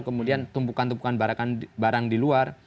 kemudian tumpukan tumpukan barang di luar